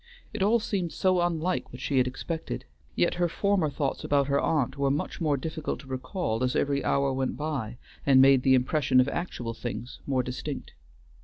It all seemed so unlike what she had expected, yet her former thoughts about her aunt were much more difficult to recall as every hour went by and made the impression of actual things more distinct.